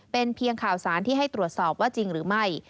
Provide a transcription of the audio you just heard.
เป็นเพียงข่าวสารที่ให้ตรวจสอบว่าจริงหรือไม่